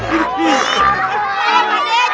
itu ada itu ada itu